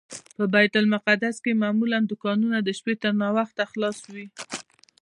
په بیت المقدس کې معمولا دوکانونه د شپې تر ناوخته خلاص وي.